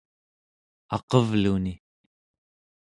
aqevluni